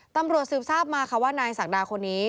ตำรวจสืบทราบมาค่ะว่านายศักดาคนนี้